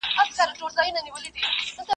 خاطرې تل په ذهن کي پاته کېږي.